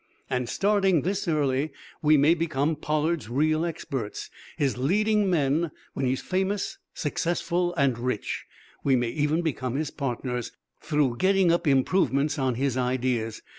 And, starting this early, we may become Pollard's real experts his leading men when he's famous, successful and rich! We may even become his partners, through getting up improvements on his ideas.